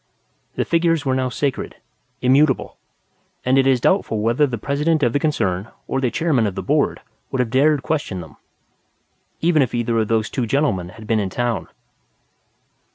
The figures were now sacred; immutable; and it is doubtful whether the President of the concern or the Chairman of the Board would have dared question them even if either of those two gentlemen had been in town.